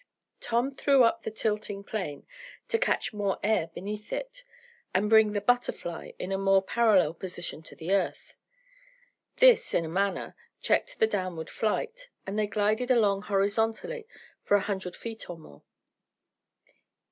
Tom threw up the tilting plane, to catch more air beneath it, and bring the BUTTERFLY in a more parallel position to the earth. This, in a manner, checked the downward flight, and they glided along horizontally for a hundred feet or more.